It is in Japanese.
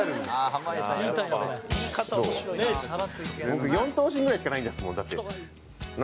僕４頭身ぐらいしかないんですもんだって。